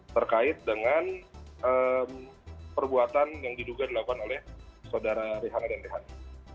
terkait dengan perbuatan yang diduga dilakukan oleh saudara rihanga dan rehan